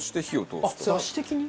出汁的に？